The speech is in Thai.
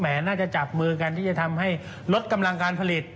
น่าจะจับมือกันที่จะทำให้ลดกำลังการผลิต